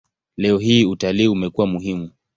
Leo hii utalii umekuwa muhimu.